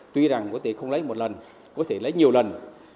tuy rằng có thể không lấy một lần có thể lấy nhiều lần